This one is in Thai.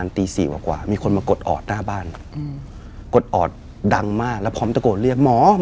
ลอแล้วก็แม่ดูนไฟ